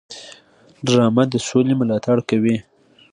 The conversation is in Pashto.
ډرامه د سولې ملاتړ کوي